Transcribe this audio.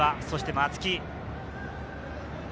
そして松木。